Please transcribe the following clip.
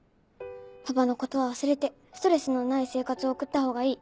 パパのことは忘れてストレスのない生活を送った方がいい。